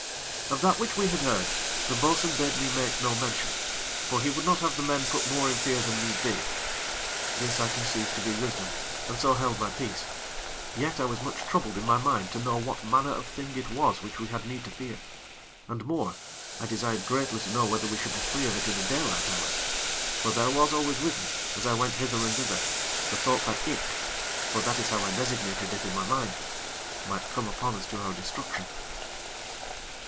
Of that which we had heard, the bo'sun bade me make no mention, for he would not have the men put more in fear than need be. This I conceived to be wisdom, and so held my peace. Yet I was much troubled in my mind to know what manner of thing it was which we had need to fear, and more I desired greatly to know whether we should be free of it in the daylight hours; for there was always with me, as I went hither and thither, the thought that IT for that is how I designated it in my mind might come upon us to our destruction.